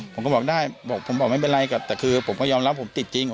ผมก็บอกได้บอกผมบอกไม่เป็นไรครับแต่คือผมก็ยอมรับผมติดจริง